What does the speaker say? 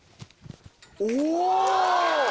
お！